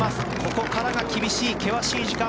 ここからが厳しい、険しい時間。